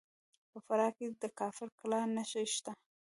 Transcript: په فراه کې د کافر کلا نښې شته